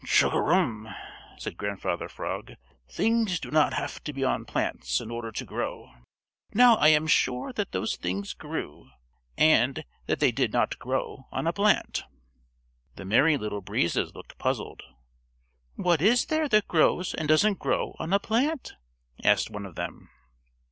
"Chug a rum," said Grandfather Frog. "Things do not have to be on plants in order to grow. Now I am sure that those things grew, and that they did not grow on a plant." The Merry Little Breezes looked puzzled. "What is there that grows and doesn't grow on a plant?" asked one of them.